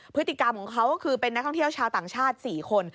พฤติกรรมของเขาก็คือเป็นนักท่องเที่ยวชาวต่างชาติ๔คน